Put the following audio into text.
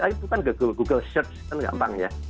itu kan google google search kan gampang ya